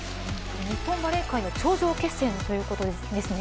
日本バレー界の頂上決戦ということですね。